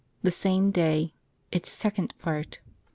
THE SAME DAY: ITS SECOND PART.